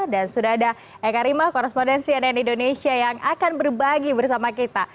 dan sudah ada eka rima korrespondensi nn indonesia yang akan berbagi bersama kita